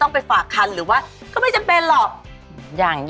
โรงพยาบาลพญาไทย๖